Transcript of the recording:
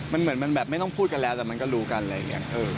มันเหมือนมันแบบไม่ต้องพูดกันแล้วแต่มันก็รู้กันอะไรอย่างนี้